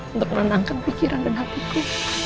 untuk menenangkan pikiran dan hatiku